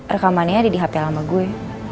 rekamannya ada di hp lama gue